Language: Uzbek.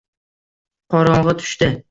Qorong`i tushdi